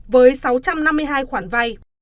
với sáu trăm năm mươi hai khoản vay